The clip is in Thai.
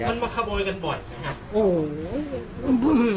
มันมาขโบยกันบ่อยใช่ไหมครับ